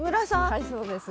はいそうです。